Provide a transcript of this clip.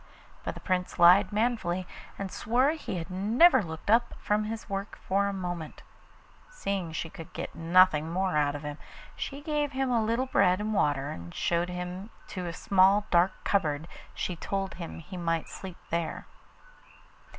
But the Prince lied manfully, and swore he had never looked up from his work for a moment. Seeing she could get nothing more out of him, she gave him a little bread and water, and showing him to a small dark cupboard she told him he might sleep there.